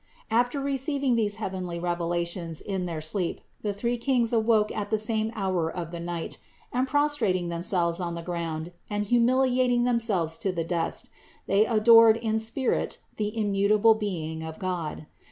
555. After receiving these heavenly revelations in their sleep, the three Kings awoke at the same hour of the night, and prostrating themselves on the ground and humiliating themselves to the dust, they adored in spirit the immutable being of God.